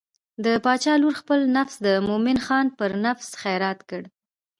د باچا لور خپل نفس د مومن خان پر نفس خیرات کړ.